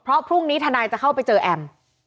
เพราะพรุ่งนี้ทนายจะเข้าไปเจอแอม